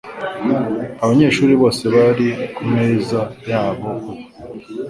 Abanyeshuri bose bari kumeza yabo ubu.